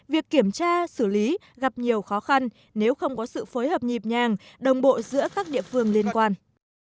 việc kiểm tra xử lý gặp nhiều khó khăn nếu không có sự phối hợp nhịp nhàng đồng bộ giữa các địa phương liên quan